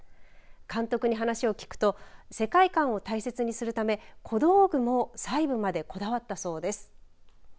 監督に話を聞くと世界感を大切にするため小道具も細部までこだわったそうです。